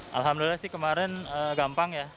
dan alhamdulillah sih kemarin gampang ya